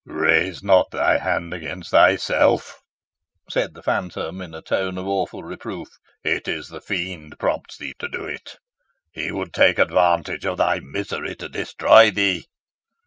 "Raise not thy hand against thyself," said the phantom, in a tone of awful reproof. "It is the Fiend prompts thee to do it. He would take advantage of thy misery to destroy thee."